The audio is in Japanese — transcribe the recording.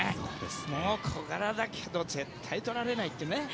もう小柄だけど絶対取られないというね。